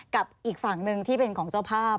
กับอีกฝั่งหนึ่งที่เป็นของเจ้าภาพ